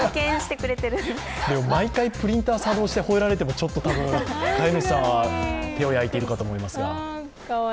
でも、毎回プリンター作動して吠えられても、ちょっと飼い主さんは手を焼いていると思います。